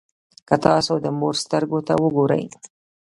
که تاسو د مور سترګو ته وګورئ.